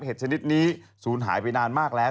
ชนิดนี้ศูนย์หายไปนานมากแล้ว